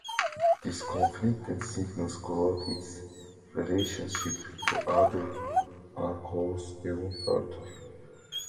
These conflicting signals cloud its relationship to other archosaurs even further.